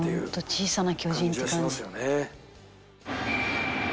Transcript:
「小さな巨人って感じ」